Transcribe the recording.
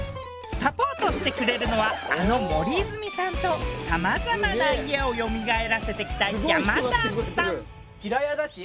サポートしてくれるのはあの森泉さんとさまざまな家を蘇らせてきた山田さん。